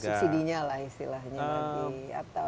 ada subsidi nya lah istilahnya